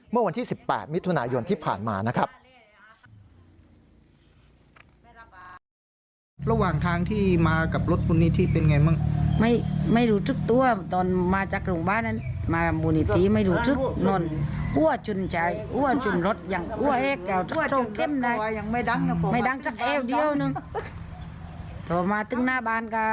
เมื่อวันที่๑๘มิถุนายนที่ผ่านมานะครับ